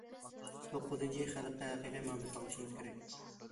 توققۇزىنچى، خەلققە ھەقىقىي مۇھەببەت باغلىشىمىز كېرەك.